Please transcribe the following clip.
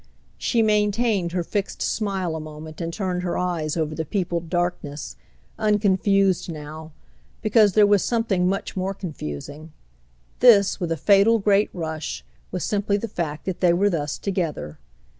She maintained her fixed smile a moment and turned her eyes over the peopled darkness, unconfused now, because there was something much more confusing. This, with a fatal great rush, was simply the fact that they were thus together.